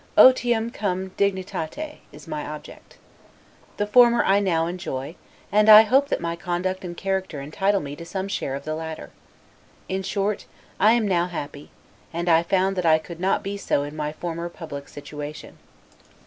'Otium cum dignitate' is my object. The former I now enjoy; and I hope that my conduct and character entitle me to some share of the latter. In short, I am now happy: and I found that I could not be so in my former public situation.